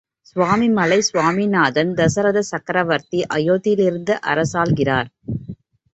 சுவாமிமலை சுவாமிநாதன் தசரதச் சக்கவரவர்த்தி அயோத்தியிலிருந்து அரசாள்கிறார்.